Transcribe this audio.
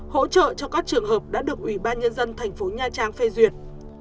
hỗ trợ cho các trường hợp đã được ủy ban nhân dân thành phố nha trang phê duyệt